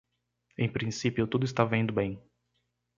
Em princípio, tudo estava indo bem.